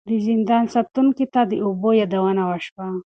د زندان ساتونکي ته د اوبو یادونه وشوه.